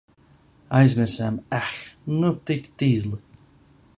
Aizmirsām! Eh, nu tik tizli.